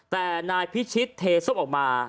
แต่นายพิชิตเทส้มออกมา